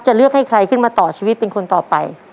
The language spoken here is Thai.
จะเลือกให้ใครขึ้นมาต่อชีวิตเป็นคนต่อไป